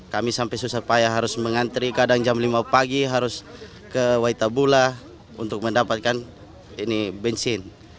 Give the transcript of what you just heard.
kami sampai susah payah harus mengantri kadang jam lima pagi harus ke waitabula untuk mendapatkan bensin